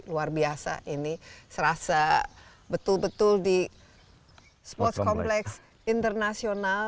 luar biasa ini serasa betul betul di sports complex internasional